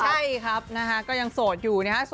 ใช่ครับนะฮะก็ยังโสดอยู่นะฮะ